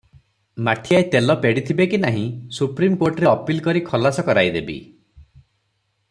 ମାଠିଆଏ ତେଲ ପେଡ଼ିଥିବେକି ନାହିଁ, ସୁପ୍ରିମ କୋର୍ଟରେ ଅପିଲ କରି ଖଲାସ କରାଇଦେବି ।